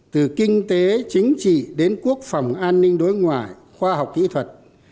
từ kinh tế chính trị đến quốc phòng an ninh đối ngoại khoa học kỹ thuật